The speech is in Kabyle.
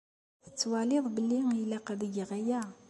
Tettwaliḍ belli ilaq ad geɣ aya?